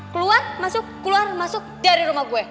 keluar masuk keluar masuk dari rumah gue